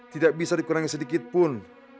tidak bisa dikurangi sedikit pun